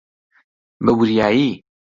بەوریایی!